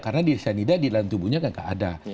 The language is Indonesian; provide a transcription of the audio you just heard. karena saya nidah di dalam tubuhnya kan tidak ada